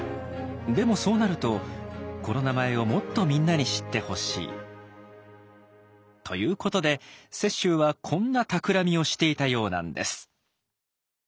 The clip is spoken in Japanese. でもそうなるとこの名前をもっとみんなに知ってほしい。ということで雪舟はこんなたくらみをしていたようなんです。